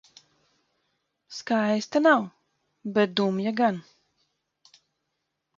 Skaista nav, bet dumja gan...